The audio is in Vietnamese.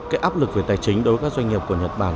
cái áp lực về tài chính đối với các doanh nghiệp của nhật bản